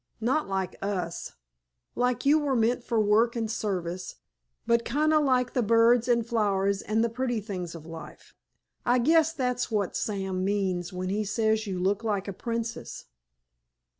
Not like us—like you were meant for work and service, but kind o' like the birds and flowers an' the pretty things of life. I guess that's what Sam means when he says you look like a princess."